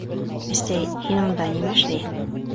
— Әсәй, һин унда нимә эшләйһең?